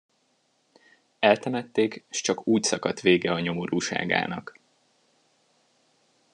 Eltemették, s csak úgy szakadt vége a nyomorúságának.